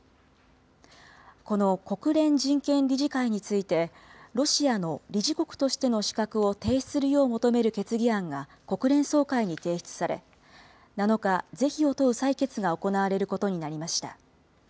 この国連人権理事会について、ロシアの理事国としての資格を停止するよう求める決議案が、国連総会に提出され、７日、是非を問う採決が行われることになりました。